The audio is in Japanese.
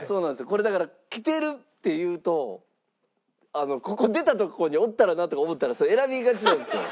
これだから「来てる」って言うとここ出たとこにおったらなとか思ったらそれ選びがちなんですよ。